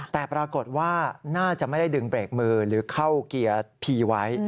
แต่ปรากฏว่าน่าจะไม่ได้ดึงเบรกมือหรือเข้าเกียร์พีไว้